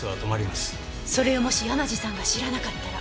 それをもし山路さんが知らなかったら？